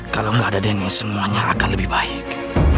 kalau gak ada denny semuanya akan lebih baik